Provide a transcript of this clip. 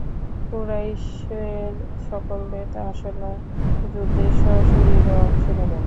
কুরাইশের সকল নেতা আসন্ন যুদ্ধে স্ব-শরীরে অংশ নেবেন।